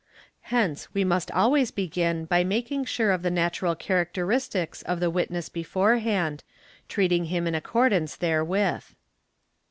Hence we must always begin by making sure _ of the natural characteristics of the witness beforehand, treating him in * accordance therewith.